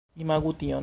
Imagu tion